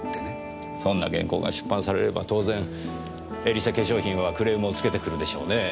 そんな原稿が出版されれば当然エリセ化粧品はクレームをつけてくるでしょうねぇ。